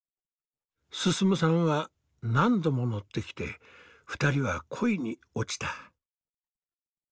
進さんは何度も乗ってきて２人は恋に落ちた。